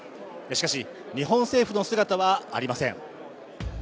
しかし、日本政府の姿はありません